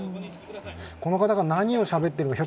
この方が何をしゃべってるのか。